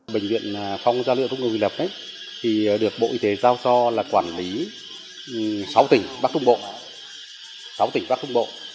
bệnh viện phong gia liễu trung ương quỳnh lập được bộ y tế giao cho là quản lý sáu tỉnh bắc trung bộ